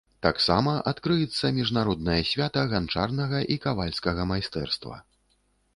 Таксама адкрыецца міжнароднае свята ганчарнага і кавальскага майстэрства.